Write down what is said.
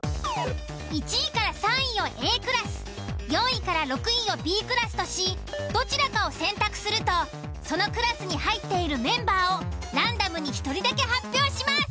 １位３位をＡクラス４位６位をＢクラスとしどちらかを選択するとそのクラスに入っているメンバーをランダムに１人だけ発表します。